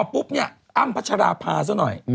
ปุ๊บนี่อั้มผัชานภาคซะหน่อย